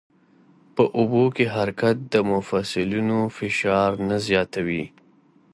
په اوبو کې حرکت د مفصلونو فشار نه زیاتوي.